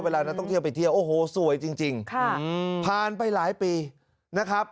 เวลานักท่องเที่ยวไปเที่ยวโอ้โหสวยจริงผ่านไปหลายปีนะครับ